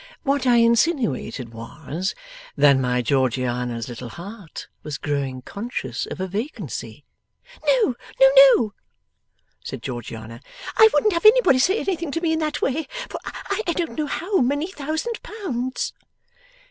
What I insinuated was, that my Georgiana's little heart was growing conscious of a vacancy.' 'No, no, no,' said Georgiana. 'I wouldn't have anybody say anything to me in that way for I don't know how many thousand pounds.